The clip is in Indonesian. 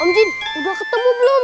om jin udah ketemu belum